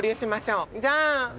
じゃあ。